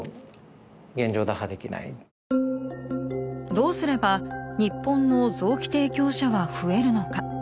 どうすれば日本の臓器提供者は増えるのか？